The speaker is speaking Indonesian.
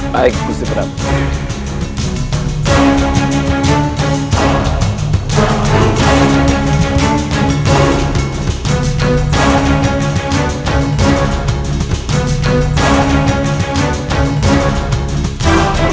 raih gusti prabu